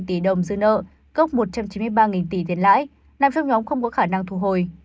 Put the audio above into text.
bốn trăm tám mươi ba tỷ đồng dư nợ gốc một trăm chín mươi ba tỷ tiền lãi nằm trong nhóm không có khả năng thu hồi